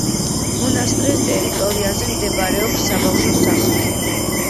მონასტრის ტერიტორიაზე მდებარეობს საბავშვო სახლი.